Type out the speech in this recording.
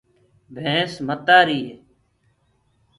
ڀينٚس متآريٚ هي